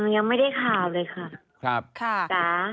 ยังไม่ได้ข่าวเลยค่ะจ๋า